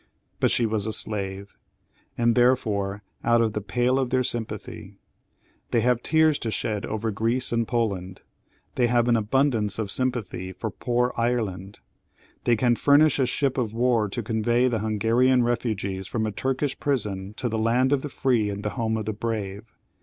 But she was a slave, and therefore out of the pale of their sympathy. They have tears to shed over Greece and Poland; they have an abundance of sympathy for "poor Ireland"; they can furnish a ship of war to convey the Hungarian refugees from a Turkish prison to the "land of the free and home of the brave."